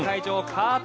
カート